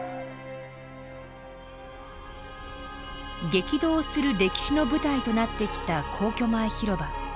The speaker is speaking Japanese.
激動する歴史の舞台となってきた皇居前広場。